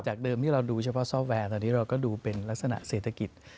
เดิมที่เราดูเฉพาะซ่อแวร์ตอนนี้เราก็ดูเป็นลักษณะเศรษฐกิจ